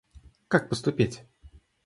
Как поступить?